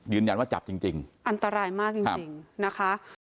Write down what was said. ยืนยันว่าจับจริงจริงอันตรายมากจริงจริงค่ะ